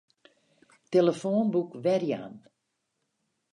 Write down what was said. Tillefoanboek werjaan.